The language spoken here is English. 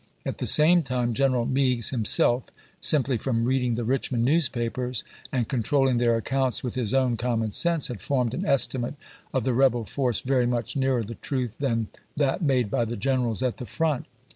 At the same time General Meigs himself, simply from reading the Richmond newspapers and controlling their accounts with his own common sense, had formed an estimate of the rebel force very much nearer the truth than that made by the generals at the front.